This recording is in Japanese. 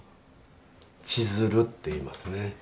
千鶴っていいますね。